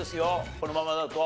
このままだと。